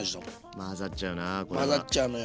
混ざっちゃうのよ。